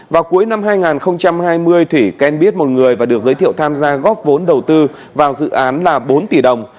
vào cuối năm hai nghìn hai mươi thủy quen biết một người và được giới thiệu tham gia góp vốn đầu tư vào dự án là bốn tỷ đồng